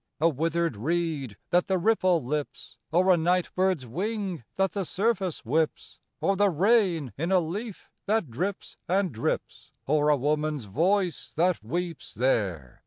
A withered reed, that the ripple lips? Or a night bird's wing, that the surface whips? Or the rain in a leaf that drips and drips? Or a woman's voice that weeps there?